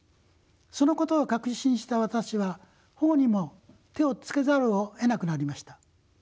そのことを確信した私は保護にも手をつけざるをえなくなりました。